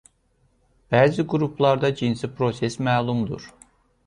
Bəzi qruplarda cinsi proses məlumdur.